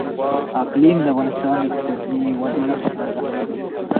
اقلیم د افغانستان د اقتصادي ودې لپاره ارزښت لري.